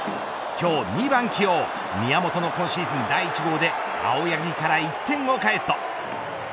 今日２番起用宮本の今シーズン第１号で青柳から１点を返すと。